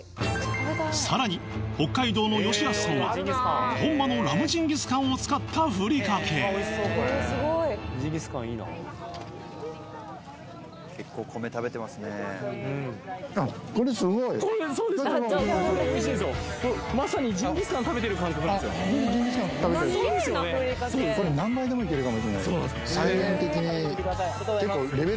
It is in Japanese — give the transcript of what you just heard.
さらに北海道のよしやすさんは本場のラムジンギスカンを使ったふりかけこれそうでしょ